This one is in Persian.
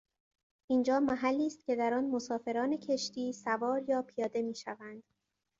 اینجا محلی است که در آن مسافران کشتی سوار یا پیاده میشوند.